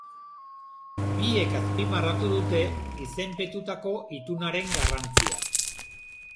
Biek azpimarratu dute izenpetutako itunaren garrantzia.